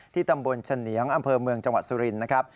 ตำบลเฉนียงอำเภอเมืองจังหวัดสุรินทร์นะครับ